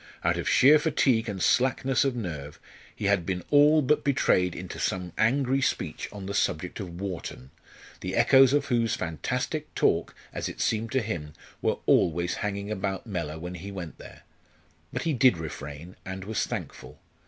Out of sheer fatigue and slackness of nerve he had been all but betrayed into some angry speech on the subject of Wharton, the echoes of whose fantastic talk, as it seemed to him, were always hanging about Mellor when he went there. But he did refrain, and was thankful.